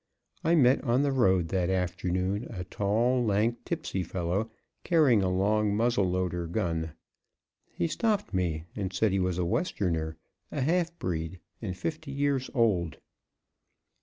I met on the road that afternoon a tall, lank, tipsy fellow, carrying a long muzzle loader gun. He stopped me, and said he was a Westerner, a half breed, and fifty years old.